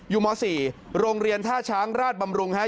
อยู่ม๔โรงเรียนท่าช้างราชบำรุงครับ